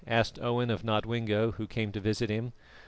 asked Owen of Nodwengo, who came to visit him.